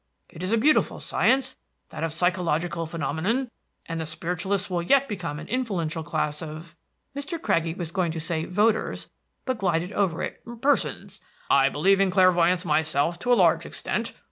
It is a beautiful science, that of psychological phenomena, and the spiritualists will yet become an influential class of" Mr. Craggie was going to say voters, but glided over it "persons. I believe in clairvoyance myself to a large extent.